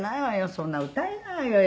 そんな歌えないわよ